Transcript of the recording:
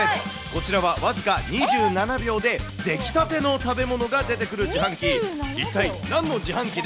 こちらは僅か２７秒で出来たての食べ物が出てくる自販機。